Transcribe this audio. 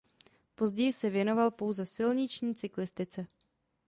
Později se věnoval pouze silniční cyklistice.